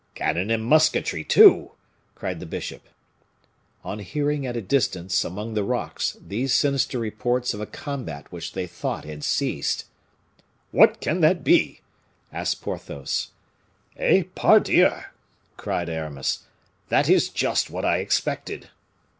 "Cannon and musketry, too!" cried the bishop. On hearing at a distance, among the rocks, these sinister reports of a combat which they thought had ceased: "What can that be?" asked Porthos. "Eh! Pardieu!" cried Aramis; "that is just what I expected."